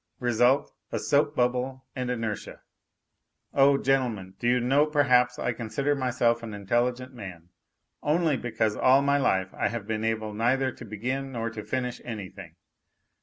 Result : a soap bubble and inertia. Oh, gentlemen, do you know, perhaps I consider myself an intelligent man, only because all my life I have been able neither to begin nor to finish anything.